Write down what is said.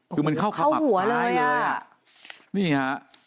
คือมันเข้าขมับขายเลยนี่ฮะ